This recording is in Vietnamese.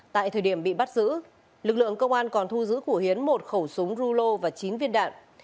tại thời điểm bị bắt giữ lực lượng công an còn thu giữ của hiến một khẩu súng rulo và chín viên đạn